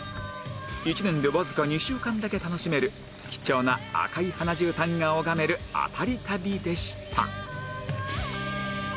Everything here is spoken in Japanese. １年でわずか２週間だけ楽しめる貴重な赤い花絨毯が拝めるアタリ旅でした